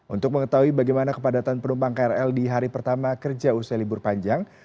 untuk mengetahui bagaimana kepadatan penumpang krl di hari pertama kerja usai libur panjang